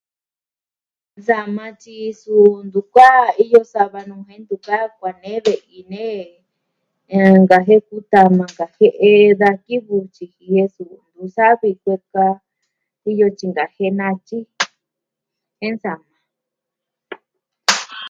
Da maa tyi suu ntu kuaiyo sava nuu jen ntu kaa kuaa nee ve'i nee. Eh... nkajie'e ku tama nkajie'e da kivɨ tyiji e suu savi kuee ka. kuiyo tyi ntaa jee natyi jen nsama.